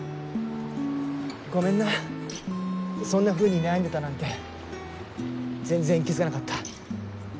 ごめんなそんなふうに悩んでたなんて全然気付かなかった。